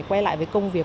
quay lại với công việc